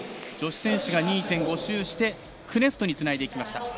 女子選手が２．５周してクネフトにつないでいきました。